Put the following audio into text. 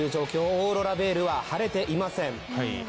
オーロラベールははれていません。